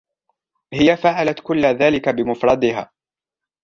هي فعلت كل ذلك بمفردها.